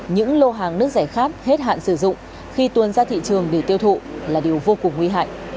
những lô hàng nước rẻ khát hết hạn sử dụng khi tuôn ra thị trường để tiêu thụ là điều vô cùng nguy hại